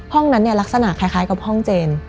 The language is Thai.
ห้องนั้นเนี่ยลักษณะคล้ายกับห้องเจน